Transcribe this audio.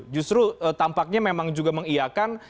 justru tampaknya memang juga mengiakan